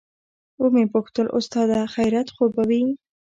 ومې پوښتل استاده خيريت خو به وي.